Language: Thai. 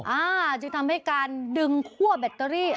อ่าจึงทำให้การดึงคั่วแบตเตอรี่